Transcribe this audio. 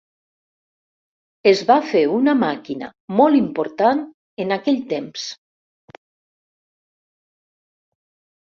Es va fer una màquina molt important en aquell temps.